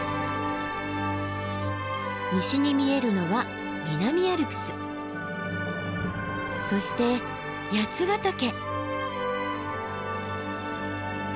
西に見えるのは南アルプスそして八ヶ岳。